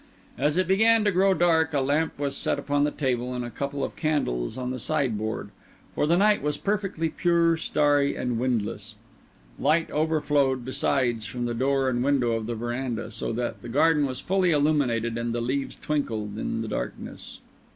As it began to grow dark a lamp was set upon the table and a couple of candles on the sideboard; for the night was perfectly pure, starry, and windless. Light overflowed besides from the door and window in the verandah, so that the garden was fairly illuminated and the leaves twinkled in the darkness.